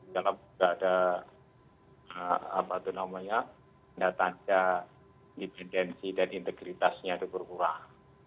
kalau tidak ada tanda independensi dan integritasnya itu berkurang